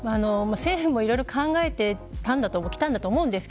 政府もいろいろ考えてきたんだと思います。